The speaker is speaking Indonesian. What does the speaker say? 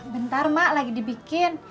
bentar emas lagi dibikin